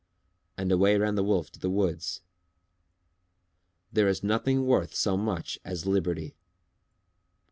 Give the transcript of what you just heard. And away ran the Wolf to the woods. _There is nothing worth so much as liberty.